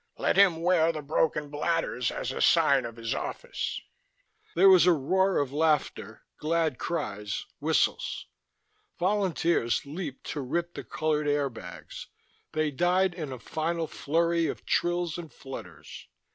Let him wear the broken bladders as a sign of his office." There was a roar of laughter, glad cries, whistles. Volunteers leaped to rip the colored air bags; they died in a final flurry of trills and flutters.